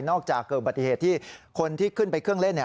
จากเกิดอุบัติเหตุที่คนที่ขึ้นไปเครื่องเล่น